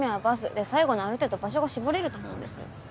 で最後のはある程度場所が絞れると思うんです。